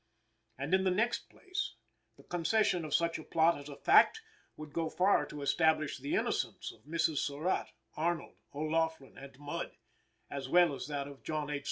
And, in the next place, the concession of such a plot as a fact would go far to establish the innocence of Mrs. Surratt, Arnold, O'Laughlin and Mudd, as well as that of John H.